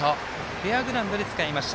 フェアグラウンドでつかみました。